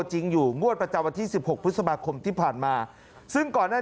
จริงอยู่งวดประจำวันที่๑๖พฤษภาคมที่ผ่านมาซึ่งก่อนหน้า